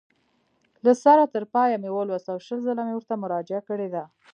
له سره تر پایه مې ولوست او شل ځله مې ورته مراجعه کړې ده.